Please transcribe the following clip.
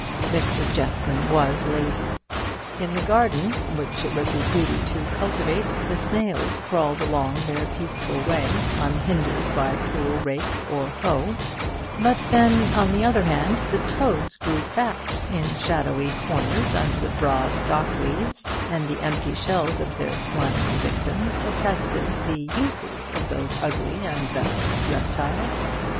Mr. Jeffson was lazy. In the garden which it was his duty to cultivate, the snails crawled along their peaceful way, unhindered by cruel rake or hoe; but then, on the other hand, the toads grew fat in shadowy corners under the broad dock leaves, and the empty shells of their slimy victims attested the uses of those ugly and venomous reptiles.